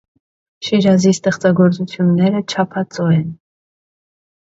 Շիրազի ստեղծագործութիւնները չափածոյ են։